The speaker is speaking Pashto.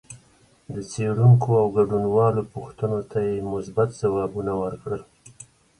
د څېړونکو او ګډونوالو پوښتنو ته یې مثبت ځوابونه ورکړل